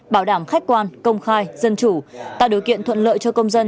bảo đảm khách quan công khai dân chủ tạo điều kiện thuận lợi cho công dân